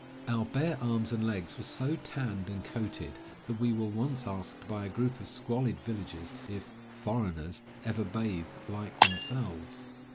Our bare arms and legs were so tanned and coated that we were once asked by a group of squalid villagers if "foreigners" ever bathed like themselves.